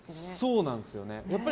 そうなんですよね。